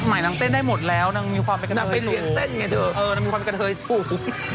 หมายนางเต้นได้หมดแล้วนางมีความไปกำเทยสูง